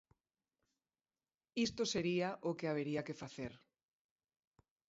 Isto sería o que habería que facer.